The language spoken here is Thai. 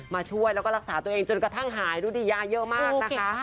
ช่วยแล้วก็รักษาตัวเองจนกระทั่งหายรู้ดียาเยอะมากนะคะ